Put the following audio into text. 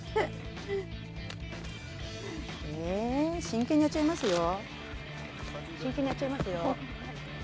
真剣にやっちゃいますよ。